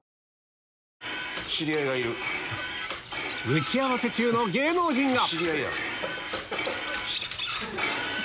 打ち合わせ中の芸能人が！